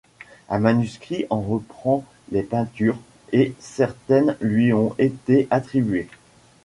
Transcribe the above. Un manuscrit en reprend les peintures, et certaines lui ont été attribuées.